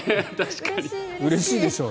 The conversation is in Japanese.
うれしいでしょう。